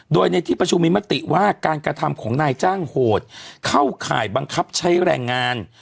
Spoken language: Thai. โดยในที่ประชุมมีมติว่าการกระทำของนายจ้างโหดเข้าข่ายบังคับใช้แรงงาน